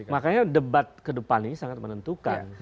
makanya debat kedepan ini sangat menentukan